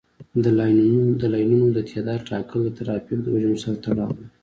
د لاینونو د تعداد ټاکل د ترافیک د حجم سره تړاو لري